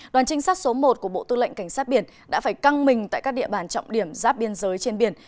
đoàn trinh sát số một của bộ tư lệnh cảnh sát biển đã phải căng mình tại các địa bàn trọng điểm giáp biên giới trên biển